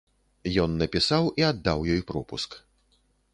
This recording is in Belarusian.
Ён напісаў і аддаў ёй пропуск.